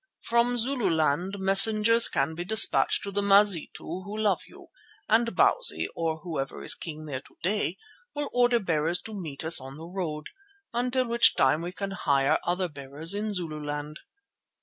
From Zululand messengers can be dispatched to the Mazitu, who love you, and Bausi or whoever is king there to day will order bearers to meet us on the road, until which time we can hire other bearers in Zululand.